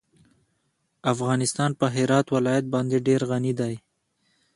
افغانستان په هرات ولایت باندې ډېر غني دی.